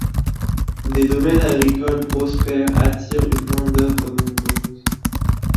Des domaines agricoles prospères attirent une main-d'œuvre nombreuse.